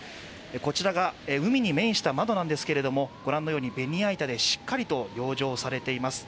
こちらが海に面した窓なんですけれども、御覧のようにベニヤ板でしっかりと養生されています。